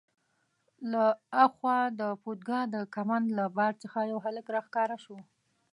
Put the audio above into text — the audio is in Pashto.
له ها خوا د پودګا د کمند له بار څخه یو هلک راښکاره شو.